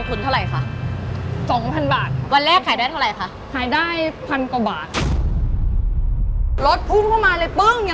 อุ๊ยอร่อยอ่ะ